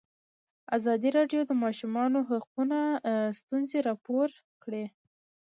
ازادي راډیو د د ماشومانو حقونه ستونزې راپور کړي.